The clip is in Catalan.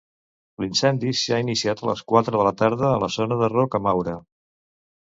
L'incendi s'ha iniciat a les quatre de la tarda a la zona de Rocamaura.